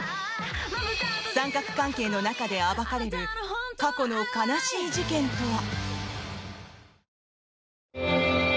三角関係の中で暴かれる過去の悲しい事件とは？